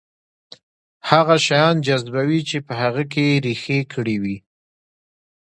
هغه شيان جذبوي چې په هغه کې يې رېښې کړې وي.